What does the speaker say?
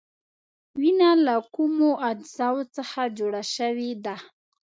وینه له کومو اجزاوو څخه جوړه شوې ده؟